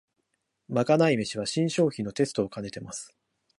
まかない飯は新商品のテストをかねてます